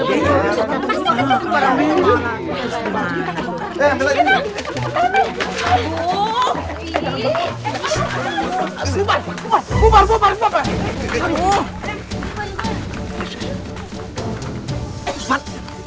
bapak bapak bapak bapak